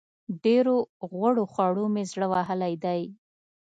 ډېرو غوړو خوړو مې زړه وهلی دی.